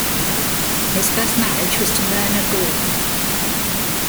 His first marriage was to Myrna Gordon.